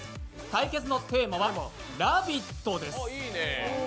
対決のテーマは「ラヴィット！」です